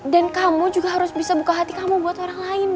dan kamu juga harus bisa buka hati kamu buat orang lain bim